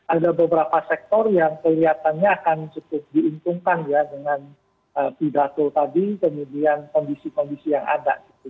ada beberapa sektor yang kelihatannya akan cukup diuntungkan ya dengan pidato tadi kemudian kondisi kondisi yang ada gitu